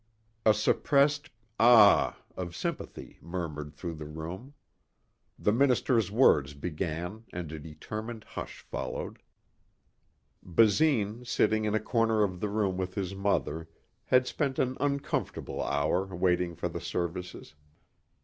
A suppressed "Ah!" of sympathy murmured through the room. The minister's words began and a determined hush followed. Basine sitting in a corner of the room with his mother had spent an uncomfortable hour waiting for the services.